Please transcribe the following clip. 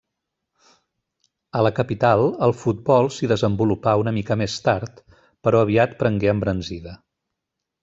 A la capital, el futbol s'hi desenvolupà una mica més tard, però aviat prengué embranzida.